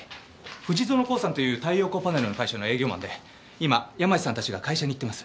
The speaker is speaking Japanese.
富士園興産という太陽光パネルの会社の営業マンで今山路さんたちが会社に行ってます。